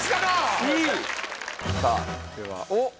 さぁではおっ！